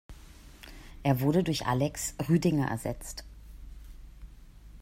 Er wurde durch Alex Rüdinger ersetzt.